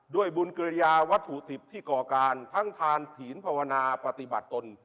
ด้วยบุญเกริยาวัตถุดิบที่ก่อการทั้งทานถีนภาวนาปฏิบัติตน